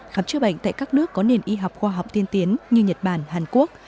khám chữa bệnh tại các nước có nền y học khoa học tiên tiến như nhật bản hàn quốc